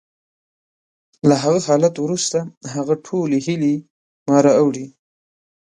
له هغه حالت وروسته، هغه ټولې هیلې ما راوړې